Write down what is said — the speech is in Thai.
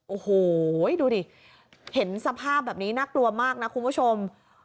โอ้โหดูดิเห็นสภาพแบบนี้น่ากลัวมากนะคุณผู้ชม